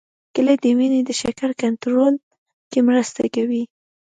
کېله د وینې د شکر کنټرول کې مرسته کوي.